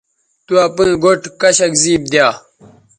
تو اپئیں گوٹھ کشک زیب دیا